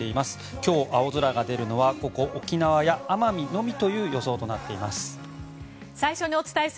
今日、青空が出るのはここ、沖縄や奄美のみという予想となっています。